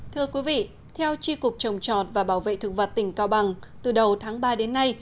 thưa quý vị theo tri cục trồng trọt và bảo vệ thực vật tỉnh cao bằng từ đầu tháng ba đến nay